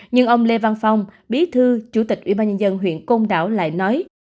nhưng ông lê văn phong bí thư chủ tịch ủy ban nhân dân huyện côn đảo lại nói